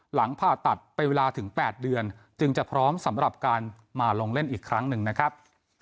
หลังผ่าตัดเป็นเวลาถึง๘เดือนจึงจะพร้อมสำหรับการมาลงเล่นอีกครั้งหนึ่งนะครับ